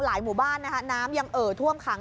หลายหมู่บ้านน้ำยังเอ่อท่วมขัง